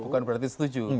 bukan berarti setuju